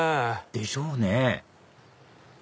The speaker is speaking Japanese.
でしょうね